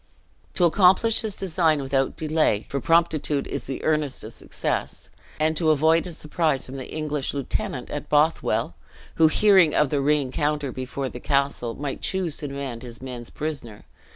To accomplish his design without delay for promptitude is the earnest of success and to avoid a surprise from the English lieutenant at Bothwell (who, hearing of the reencounter before the castle, might choose to demand his men's prisoner).